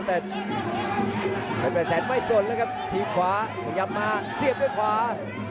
เป็นแสนไม่ส่วนอะครับทีมขวามันยังมาเสียบด้วยควา